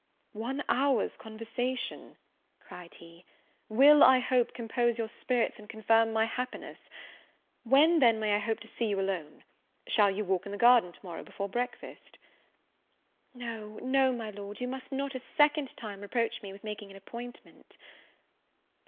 "One hour's conversation," cried he, "will, I hope, compose your spirits, and confirm my happiness. When, then, may I hope to see you alone? shall you walk in the garden to morrow before breakfast?" "No, no, my Lord; you must not, a second time, reproach me with making an appointment."